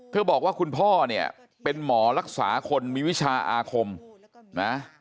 บอกว่าคุณพ่อเนี่ยเป็นหมอรักษาคนมีวิชาอาคมนะ